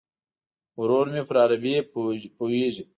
ورور مې پر عربي پوهیږي.